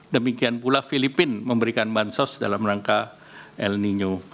demikian pula filipina memberikan bansos dalam rangka el nino